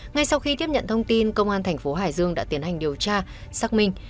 ngay sau khi tiếp nhận thông tin công an thành phố hải dương đã tiến hành điều tra xác minh